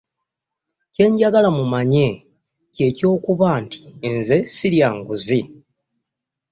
Kye njagala mumanye kye ky'okuba nti nze ssirya nguzi.